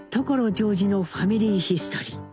ジョージの「ファミリーヒストリー」。